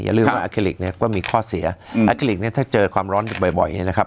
ลืมว่าอาเคลิกเนี่ยก็มีข้อเสียแอคลิกเนี่ยถ้าเจอความร้อนบ่อยเนี่ยนะครับ